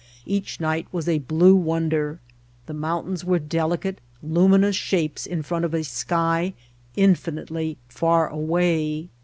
Each night was a blue won der. The mountains were delicate, luminous shapes in front of a sky infinitely far away.